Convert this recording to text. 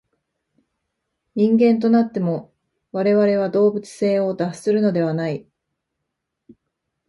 人間となっても、我々は動物性を脱するのではない。